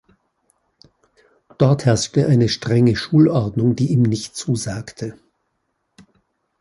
Dort herrschte eine strenge Schulordnung, die ihm nicht zusagte.